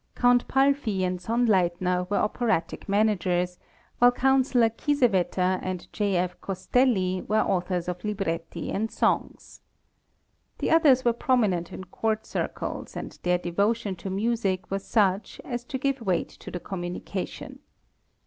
Count Palfy and Sonnleithner were operatic managers, while counselor Kiesewetter and J.F. Costelli were authors of libretti and songs. The others were prominent in court circles, and their devotion to music was such as to give weight to the communication.